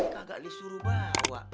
kagak disuruh bawa